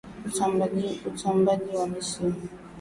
Usambaaji na misimu